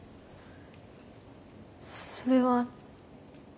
それは。